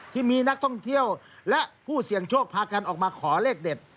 ที่มีนักท่องเที่ยวและผู้เสี่ยงโชคพากันออกมาขอเลขเด็ด